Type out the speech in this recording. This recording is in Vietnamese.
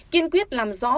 kiên quyết làm rõ